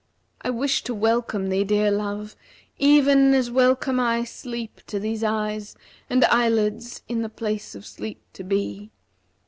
I wish to welcome thee, dear love, even as welcome I * Sleep to these eyes and eyelids in the place of sleep to be.